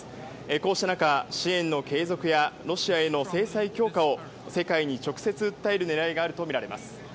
こうした中、支援の継続やロシアへの制裁強化を世界に直接訴える狙いがあるとみられます。